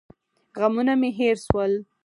غمونه مې هېر سول.